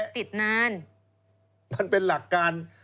ติดนานมันเป็นหลักการ